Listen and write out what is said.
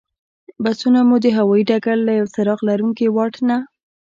بسونه مو د هوایي ډګر له یوه څراغ لرونکي واټ نه.